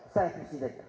saya mesti jatuh